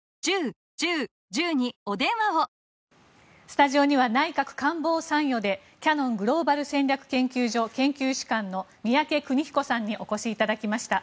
スタジオには内閣官房参与でキヤノングローバル戦略研究所研究主幹の宮家邦彦さんにお越しいただきました。